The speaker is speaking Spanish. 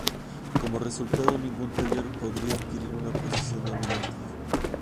Como resultado, ningún taller podría adquirir una posición dominante.